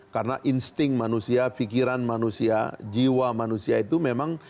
karena insting manusia pikiran manusia jiwa manusia itu memang